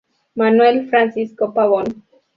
Manuel Francisco Pavón.